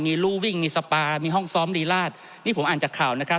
มีรูวิ่งมีสปามีห้องซ้อมรีราชนี่ผมอ่านจากข่าวนะครับ